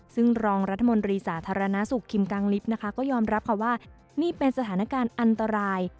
ซึ่งรองรัฐมนตรีสาธารณสุขคิมกางลิฟต์นะคะก็ยอมรับค่ะว่านี่เป็นสถานการณ์อันตราย